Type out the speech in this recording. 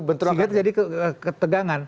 sehingga jadi ketegangan